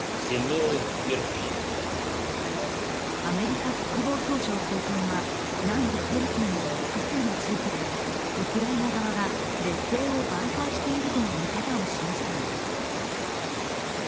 アメリカ国防総省高官は南部ヘルソンなど複数の地域でウクライナ側が劣勢を挽回しているとの見方を示しています。